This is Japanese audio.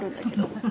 ハハハ！